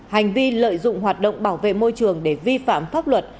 hành vi lợi dụng hoạt động bảo vệ môi trường để vi phạm pháp luật